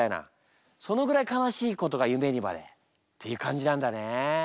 そのぐらい悲しいことが夢にまでっていう感じなんだね。